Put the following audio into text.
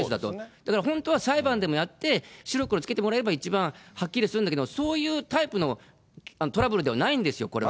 だから、本当は裁判でもやって、白黒つけてもらえばはっきりするんだけれども、そういうタイプのトラブルではないんですよ、これは。